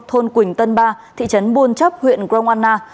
thôn quỳnh tân ba thị trấn buôn chấp huyện grong anna